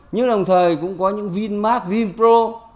nhưng đồng thời cũng có những vinmart vinpro